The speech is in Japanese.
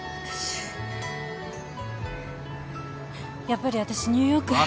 やっぱり私ニューヨークへ。